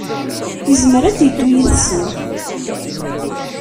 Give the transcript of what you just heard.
Yezmer ad yeddu yid-sen.